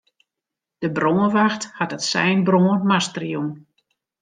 De brânwacht hat it sein brân master jûn.